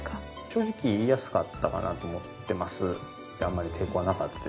正直言いやすかったかなと思っています。